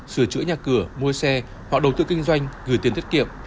sửa chữa nhà cửa mua xe hoặc đầu tư kinh doanh gửi tiền tiết kiệm